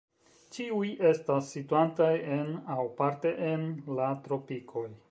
Ĉiuj estas situantaj en, aŭ parte en, la tropikoj.